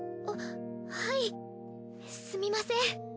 あはいすみません。